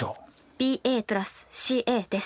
ＢＡ＋ＣＡです。